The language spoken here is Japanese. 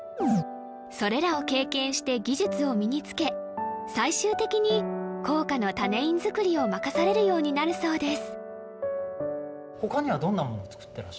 それらを経験して技術を身に付け最終的に硬貨の種印づくりを任されるようになるそうです